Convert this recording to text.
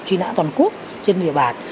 truy nã toàn quốc trên địa bạc